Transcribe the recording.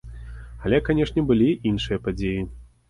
Але, канешне, былі іншыя падзеі.